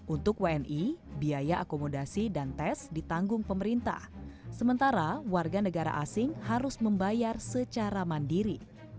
untuk wni biaya akomodasi dan tes ditanggung pemerintah sementara warga negara asing harus membayar secara mandiri